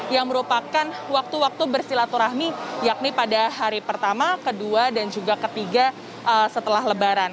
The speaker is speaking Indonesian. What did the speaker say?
yang merupakan waktu waktu bersilaturahmi yakni pada hari pertama kedua dan juga ketiga setelah lebaran